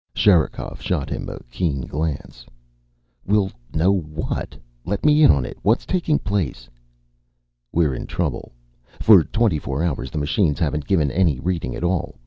Sherikov shot him a keen glance. "We'll know what? Let me in on it. What's taking place?" "We're in trouble. For twenty four hours the machines haven't given any reading at all.